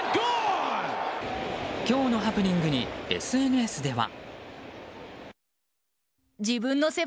今日のハプニングにＳＮＳでは。